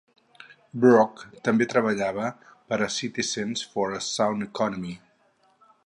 Brock també treballava per a Citizens for a Sound Economy.